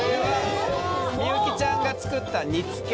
幸ちゃんが作った煮つけ。